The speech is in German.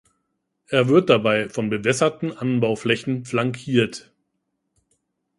Er wird dabei von bewässerten Anbauflächen flankiert.